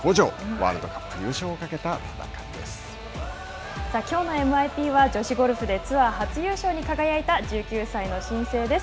ワールドカップ優勝を懸けた戦いきょうのＭＩＰは女子ゴルフでツアー初優勝に輝いた１９歳の新星です。